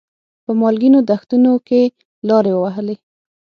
په مالګینو دښتونو کې لارې ووهلې.